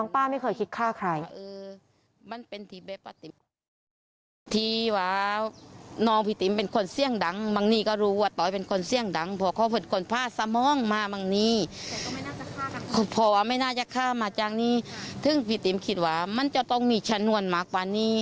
ป้าติ๋มยอมรับว่าน้องป้ามันก็ปากร้ายจริงนั่นแหละ